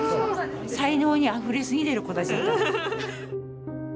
才能にあふれすぎてる子たちだった。